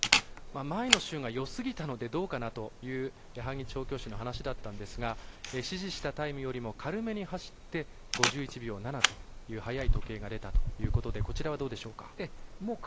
前の週がよすぎたので、どうかなという矢作調教師の話だったんですが指示したタイムよりも軽めに走って５１秒７という早い時計が出たということでどうでしょうか？